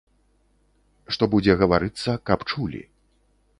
Што будзе гаварыцца, каб чулі.